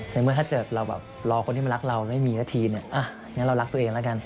ในเมื่อถ้าเกิดเราแบบรอคนที่มันรักเราไม่มีสักทีเนี่ยงั้นเรารักตัวเองแล้วกัน